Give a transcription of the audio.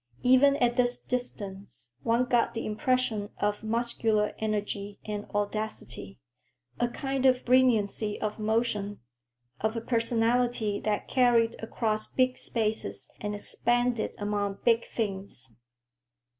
Even at this distance one got the impression of muscular energy and audacity,—a kind of brilliancy of motion,—of a personality that carried across big spaces and expanded among big things.